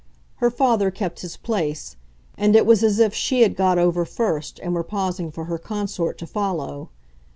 Her father kept his place, and it was as if she had got over first and were pausing for her consort to follow.